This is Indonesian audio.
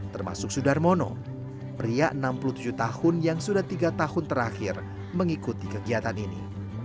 termasuk sudarmono pria enam puluh tujuh tahun yang sudah tiga tahun terakhir mengikuti kegiatan ini